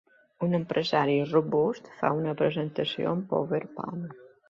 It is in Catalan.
Un empresari robust fa una presentació en PowerPoint